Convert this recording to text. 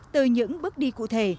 từ những bước đi cụ thể